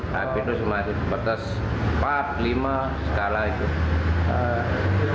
tapi itu sempat sempat lima sekala itu